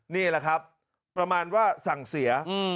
นี่แหละครับประมาณว่าสั่งเสีย